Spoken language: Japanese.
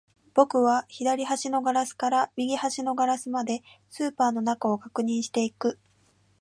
僕は左端のガラスから右端のガラスまで、スーパーの中を確認していく